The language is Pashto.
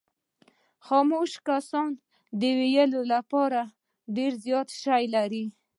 خاموش کسان د ویلو لپاره ډېر زیات شیان لري.